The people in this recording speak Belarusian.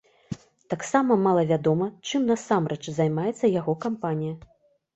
Таксама малавядома, чым насамрэч займаецца яго кампанія.